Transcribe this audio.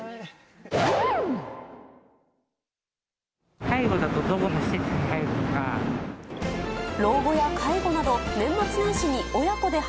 介護だと、どこの施設に入るよしっ！